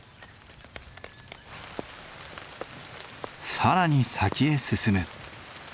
更に先へ進む。